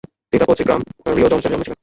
তিনি তার পৈতৃক গ্রাম রিউডোমসে জন্মেছিলেন।